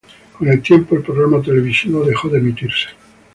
Con el tiempo el programa televisivo dejó de emitirse.